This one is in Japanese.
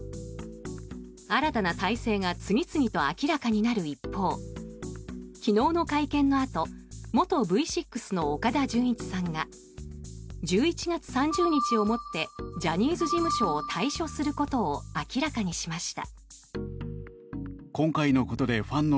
新たな体制が次々と明らかになる一方昨日の会見のあと元Ｖ６の岡田准一さんが１１月３０日をもってジャニーズ事務所を退所することを明らかにしました。